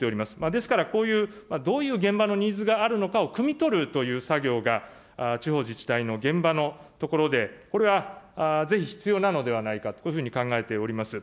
ですからこういう、どういう現場のニーズがあるのかをくみ取るという作業が地方自治体の現場のところで、これはぜひ必要なのではないかと、こういうふうに考えております。